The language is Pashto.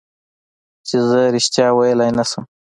چې زه رښتیا ویلی نه شم.